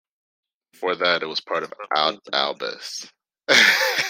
Before that, it was part of Oud-Alblas.